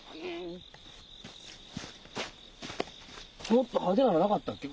もっと派手なのなかったっけ？